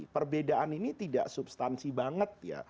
perbedaan ini tidak substansi banget ya